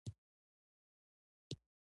چا مې په خوله کښې په کاشوغه باندې اوبه راواچولې.